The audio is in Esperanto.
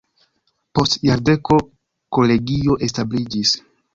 Post jardeko kolegio establiĝis.